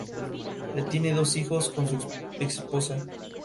Joaquim Rodríguez decidió no renovar y fichó por el Katusha.